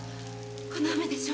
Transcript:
この雨でしょ。